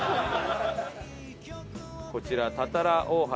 こちら多々羅大橋。